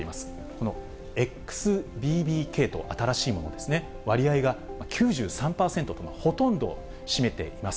このＸＢＢ．系統、新しいものですね、割合が９３％と、ほとんどを占めています。